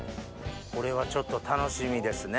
これはちょっと楽しみですね。